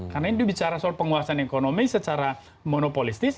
karena ini bicara soal penguasaan ekonomi secara monopolistis